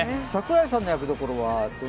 櫻井さんの役どころは？